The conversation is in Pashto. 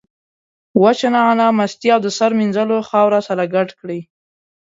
وچه نعناع، مستې او د سر مینځلو خاوره سره ګډ کړئ.